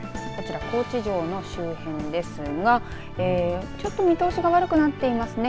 高知城の周辺ですがちょっと見通しが悪くなっていますね。